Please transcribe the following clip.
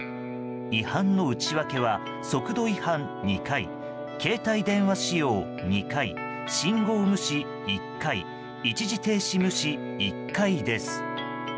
違反の内訳は速度違反２回携帯電話使用２回信号無視１回一時停止無視１回です。